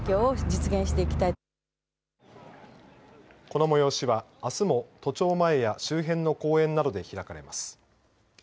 この催しはあすも都庁前や周辺の公園などで開かれます。